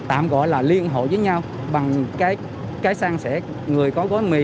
tạm gọi là liên hộ với nhau bằng cái sang sẻ người có gói mì